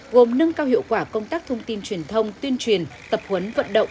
gồm nâng cao hiệu quả công tác thông tin truyền thông tuyên truyền tập huấn vận động